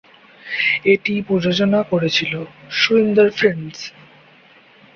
এটি প্রযোজনা করেছিল সুরিন্দর ফিল্মস।